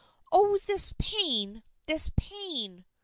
Oh, this pain ! This pain